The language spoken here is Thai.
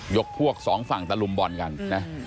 พวกสองฝั่งตะลุมบ่อนกันนะ